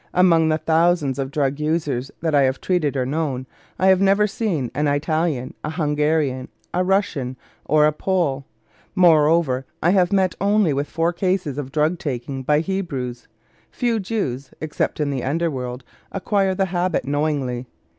Among the thousands of drug users that I have treated or known, I have never seen an Italian, a Hungarian, a Russian, or a Pole. Moreover, I have met with only four cases of drug taking by Hebrews. Few Jews except in the under world acquire the habit knowingly.